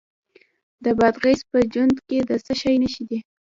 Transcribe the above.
د بادغیس په جوند کې د څه شي نښې دي؟